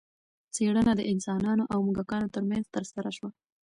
څېړنه د انسانانو او موږکانو ترمنځ ترسره شوه.